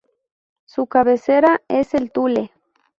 Su cabecera es El Tule.